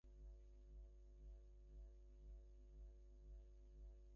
এই রূপে তিন জন একত্র হইলে পর বামন কহিলেন, আমি মৃতসঞ্জীবনী বিদ্যা শিখিয়াছি।